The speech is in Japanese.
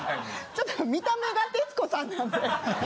・ちょっと見た目が徹子さんなんで。